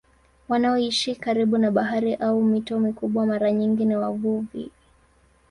Wanaoishi karibu na bahari au mito mikubwa mara nyingi ni wavuvi.